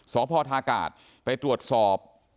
สพทากาศไปตรวจสอบ